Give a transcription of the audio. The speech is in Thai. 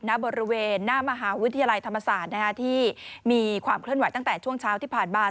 ณบริเวณหน้ามหาวิทยาลัยธรรมศาสตร์ที่มีความเคลื่อนไหวตั้งแต่ช่วงเช้าที่ผ่านมา